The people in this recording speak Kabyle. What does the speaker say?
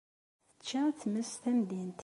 Tečča tmes tamdint.